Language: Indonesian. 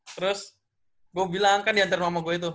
terus gue bilang kan diantar sama gue itu